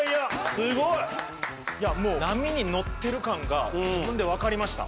すごいいやもう波に乗ってる感が自分で分かりました